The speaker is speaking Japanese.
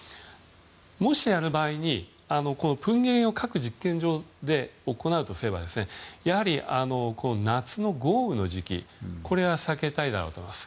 もし、やる場合にプンゲリの核実験場を行うとすれば、やはり夏の豪雨の時期は避けたいだろうと思います。